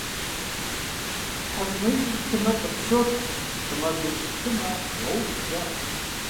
ТхьэкӀумэ ижьыр плъымэ, къыпщотхъу, сэмэгур плъымэ - уауб, жаӀэрт.